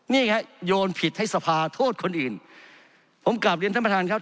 นี่ไงโยนผิดให้สภาโทษคนอื่นผมกลับเรียนท่านประธานครับ